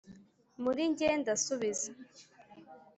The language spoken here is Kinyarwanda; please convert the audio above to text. muri njye ndasubiza